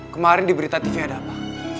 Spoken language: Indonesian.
kemarin di berita tv ada apa